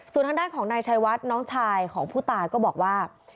ส่วนทางด้านของนายชัยวัดน้องชายของผู้ตายก็บอกว่า